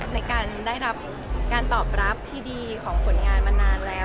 ในการได้รับการตอบรับที่ดีของผลงานมานานแล้ว